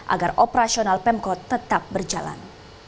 agar operasional pemkot tetap berjalan